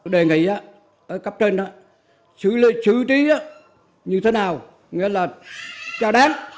đề nghị á ở cấp trên á chứ lợi chứ tí á như thế nào nghĩa là cho đáng